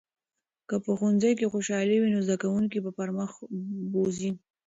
که په ښوونځي کې خوشالي وي، نو زده کوونکي به پرمخ بوځي.